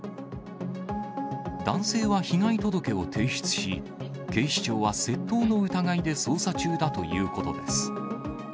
男性は被害届を提出し、警視庁は窃盗の疑いで捜査中だということです。